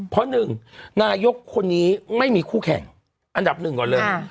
เพราะหนึ่งนายกคนนี้ไม่มีคู่แข่งอันดับหนึ่งก่อนเลย